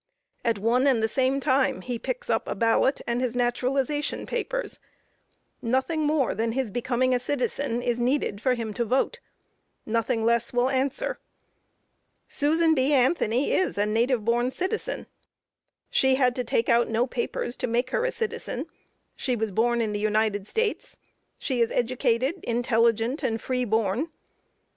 At one and the same time he picks up a ballot, and his naturalization papers. Nothing more than his becoming a citizen is needed for him to vote nothing less will answer. Susan B. Anthony is a native born citizen. She had to take out no papers to make her a citizen she was born in the United States she is educated, intelligent, and FREE BORN.